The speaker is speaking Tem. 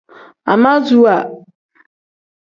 Amaasuwa.